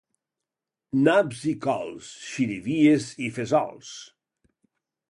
Naps i cols, xirivies i fesols.